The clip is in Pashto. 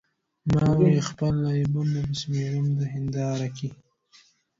ما وې خپل عیبونه به شمیرم د هنداره کې